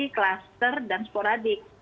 jadi kluster dan sporadik